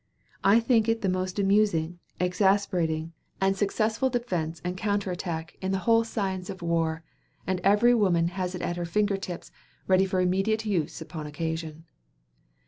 I think it the most amusing, exasperating and successful defense and counter attack in the whole science of war, and every woman has it at her finger tips, ready for immediate use upon occasion.